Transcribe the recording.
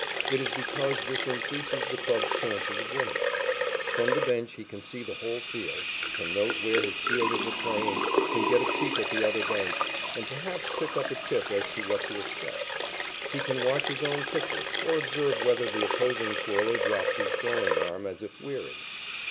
It is because this increases the club's chances of winning. From the bench he can see the whole field, can note where his fielders are playing, can get a peek at the other bench, and perhaps pick up a tip as to what to expect. He can watch his own pitcher, or observe whether the opposing twirler drops his throwing arm as if weary.